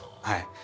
はい。